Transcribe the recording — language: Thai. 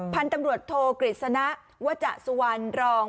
พันธุ์ตำรวจโทกฤษณะวัจสุวรรณรอง